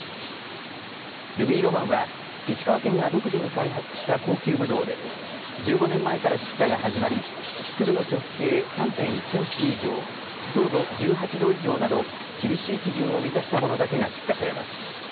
ルビーロマンは石川県が独自に開発した高級ぶどうで１５年前から出荷が始まり粒の直径３．１センチ以上糖度１８度以上など厳しい基準を満たしたものだけが出荷されます。